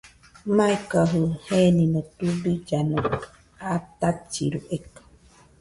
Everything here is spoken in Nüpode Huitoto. Maikajɨ genino tubillano atachiru eka.